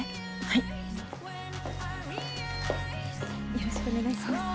よろしくお願いします。